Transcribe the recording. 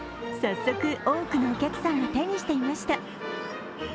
早速多くのお客さんが手にしていました。